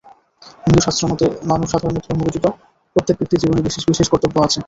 হিন্দুশাস্ত্রমতে মানব-সাধারণের ধর্ম ব্যতীত প্রত্যেক ব্যক্তির জীবনে বিশেষ বিশেষ কর্তব্য আছে।